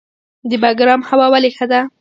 د بګرام هوا ولې ښه ده؟